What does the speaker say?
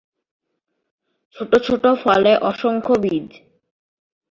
ছোট ছোট ফলে অসংখ্য বীজ।